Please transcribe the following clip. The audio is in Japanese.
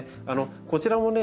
こちらもね